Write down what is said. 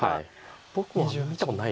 僕も見たことないと思います。